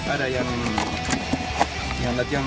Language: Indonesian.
ada yang latihan